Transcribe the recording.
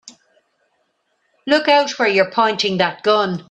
Look out where you're pointing that gun!